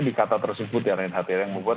di kata tersebut ya ren hatir yang membuat